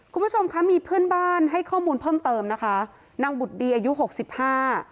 คุณผู้ชมคะมีเพื่อนบ้านให้ข้อมูลเพิ่มเติมนะคะนางบุตรดีอายุหกสิบห้า